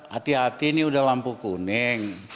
hati hati ini udah lampu kuning